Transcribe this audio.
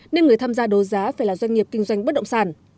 nên người tham gia đấu giá phải là doanh nghiệp kinh doanh bất động sản